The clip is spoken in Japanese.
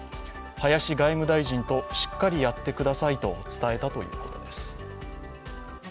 林外務大臣としっかりやってくださいと伝えたということです。